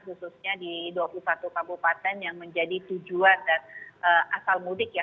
khususnya di dua puluh satu kabupaten yang menjadi tujuan dan asal mudik ya